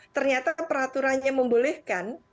ternyata peraturannya membolehkan